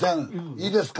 いいですか？